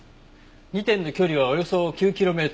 ２点の距離はおよそ９キロメートル。